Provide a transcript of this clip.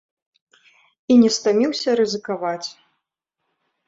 І не стаміўся рызыкаваць.